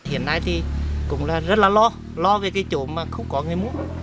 hiện nay thì cũng là rất là lo lo về cái chỗ mà không có người mua